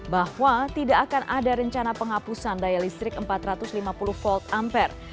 bahwa tidak akan ada rencana penghapusan daya listrik empat ratus lima puluh volt ampere